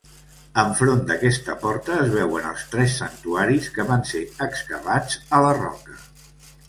Enfront d'aquesta porta es veuen els tres santuaris que van ser excavats a la roca.